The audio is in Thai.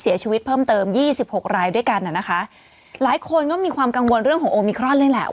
เสียชีวิตเพิ่มเติม๒๖รายด้วยกันหลายคนก็มีความกังวลเรื่องของโอมิครอนเลยแหละ